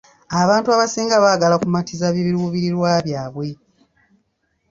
Abantu abasinga baagala kumatiza biruubirirwa byabwe.